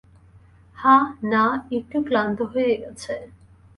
হা-না একটু ক্লান্ত হয়ে গেছে।